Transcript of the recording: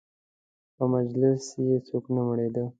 په مجلس یې څوک نه مړېده.